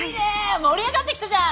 盛り上がってきたじゃん。